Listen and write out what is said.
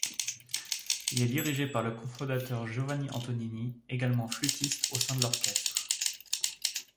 Il est dirigé par le cofondateur Giovanni Antonini, également flûtiste au sein de l'orchestre.